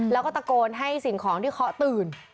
แล้วก็ตะโกนให้สิ่งของที่เคาะตื่น